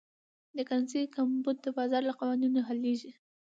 د کرنسۍ کمبود د بازار له قوانینو حلېږي.